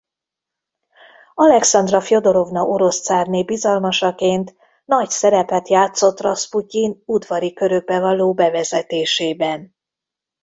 Alekszandra Fjodorovna orosz cárné bizalmasaként nagy szerepet játszott Raszputyin udvari körökbe való bevezetésében.